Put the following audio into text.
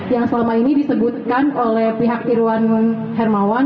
yang selama ini disebutkan oleh pihak irwan hermawan